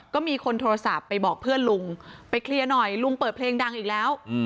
ก็มีคนโทรศัพท์ไปบอกเพื่อนลุงไปเคลียร์หน่อยลุงเปิดเพลงดังอีกแล้ว